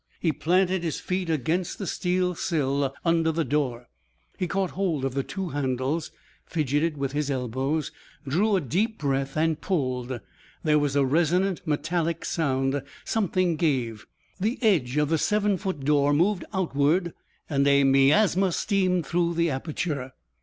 He planted his feet against the steel sill under the door. He caught hold of the two handles, fidgeted with his elbows, drew a deep breath, and pulled. There was a resonant, metallic sound. Something gave. The edge of the seven foot door moved outward and a miasma steamed through the aperture.